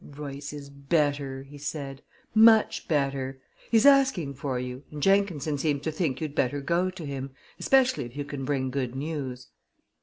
"Royce is better," he said; "much better. He's asking for you, and Jenkinson seems to think you'd better go to him, especially if you can bring good news."